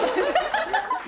ハハハハ！